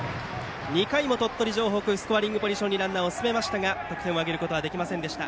２回も鳥取城北スコアリングポジションにランナーを進めましたが得点を挙げることはできませんでした。